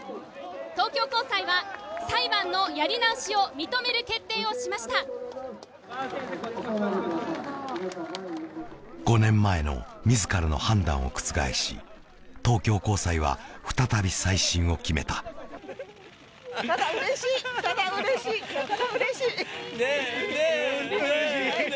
東京高裁は裁判のやり直しを認める決定をしました５年前の自らの判断を覆し東京高裁は再び再審を決めたただうれしいただうれしいただうれしい・ねえねえねえね